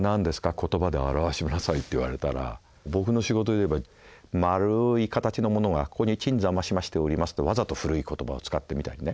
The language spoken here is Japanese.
言葉で表してみなさい」って言われたら僕の仕事でいえば「丸い形のものがここに鎮座ましましております」とわざと古い言葉を使ってみたりね